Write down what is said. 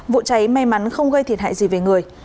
vụ cháy may mắn không gây thiệt hại gì về người